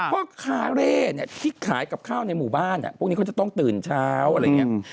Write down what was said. พ่อค้าเร่ที่ขายกับข้าวในหมู่บ้านพวกนี้เขาจะต้องตื่นเช้าอะไรอย่างนี้